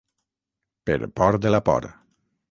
Per por de la por.